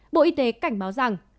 bộ y tế cảnh báo rằng